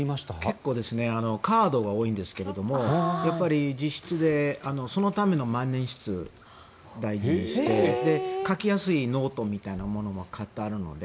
結構カードは多いんですけどやっぱり自筆でそのための万年筆を大事にして書きやすいノートみたいなものも買ってあるので。